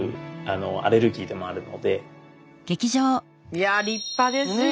いや立派ですよ